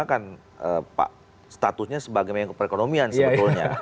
bukan statusnya sebagai mengko perekonomian sebetulnya